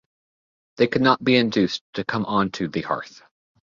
They could not be induced to come on to the hearth.